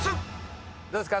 どうですか？